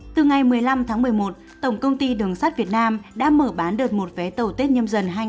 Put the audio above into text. từ ngày một mươi năm tháng một mươi một tổng công ty đường sắt việt nam đã mở bán đợt một vé tàu tết nhâm dần hai nghìn hai mươi